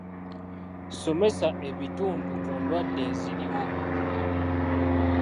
Somesa ebitundu ku ndwadde eziriwo.